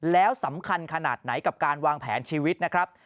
แล้วสำคัญขนาดไหนกับการวางแผนชีวิตนะครับ